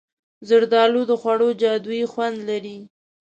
زردالو د خوړو جادويي خوند لري.